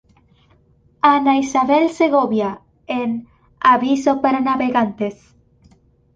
Ana Isabel Segovia en “Aviso para navegantes.